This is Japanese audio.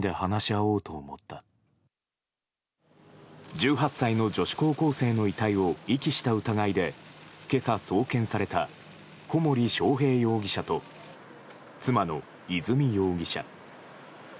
１８歳の女子高校生の遺体を遺棄した疑いで今朝、送検された小森章平容疑者と妻の和美容疑者。